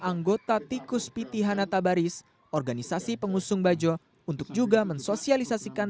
anggota tikus piti hana tabaris organisasi pengusung bajo untuk juga mensosialisasikan